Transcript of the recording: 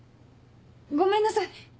ごめんなさい！